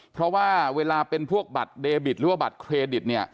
เพราะว่าเวลาเป็นพวกบัตรเดบิตหรือว่าบัตรเครดิตเนี่ย